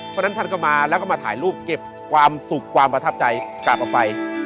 เพราะฉะนั้นท่านก็มาแล้วก็มาถ่ายรูปเก็บความสุขความประทับใจกลับออกไป